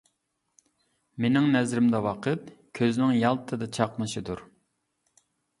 مېنىڭ نەزىرىمدە ۋاقىت كۆزنىڭ يالتتىدە چاقنىشىدۇر.